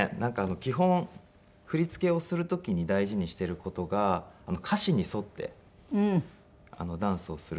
基本振り付けをする時に大事にしている事が歌詞に沿ってダンスをするっていう事を。